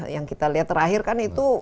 yang kita lihat terakhir kan itu